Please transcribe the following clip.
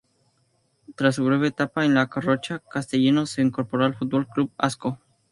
Tras su breve etapa en La Garrocha, Castillejo se incorporó al Futbol Club Ascó.